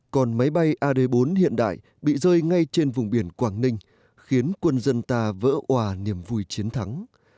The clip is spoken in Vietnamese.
còn máy bay ad bốn hiện đại bị rơi ngay trên vùng biển quảng ninh khiến quân dân ta vỡ hòa niềm vui chiến thắng